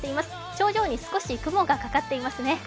頂上に少し雲がかかっていますね。